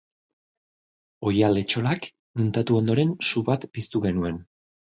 Oihal-etxolak muntatu ondoren su bat piztu genuen.